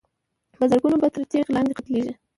په زرګونو به تر تېغ لاندي قتلیږي